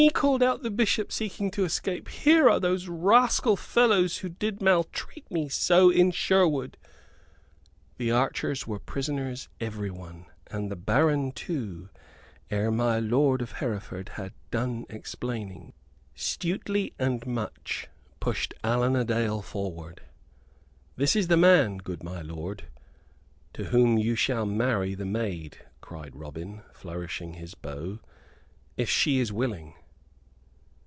called out the Bishop, seeking to escape, "here are those rascal fellows who did maltreat me so in Sherwood." The archers were prisoners everyone, and the baron too, ere my lord of Hereford had done exclaiming. Stuteley and Much pushed Allan a Dale forward. "This is the man, good my lord, to whom you shall marry the maid," cried Robin, flourishing his bow, "if she is willing."